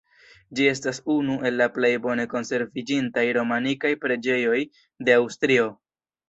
Ĝi estas unu el la plej bone konserviĝintaj romanikaj preĝejoj de Aŭstrio.